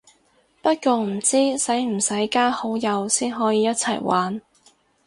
不過唔知使唔使加好友先可以一齊玩